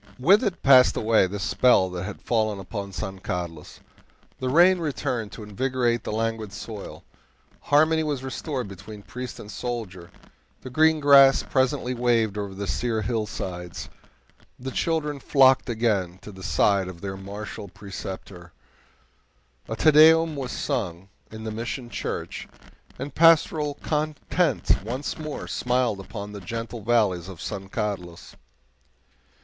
With it passed away the spell that had fallen upon San Carlos. The rain returned to invigorate the languid soil, harmony was restored between priest and soldier, the green grass presently waved over the sere hillsides, the children flocked again to the side of their martial preceptor, a TE DEUM was sung in the Mission Church, and pastoral content once more smiled upon the gentle valleys of San Carlos.